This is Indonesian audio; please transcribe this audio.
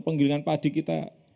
penggiringan padi kita